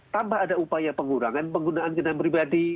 tambah ada upaya pengurangan penggunaan jendela pribadi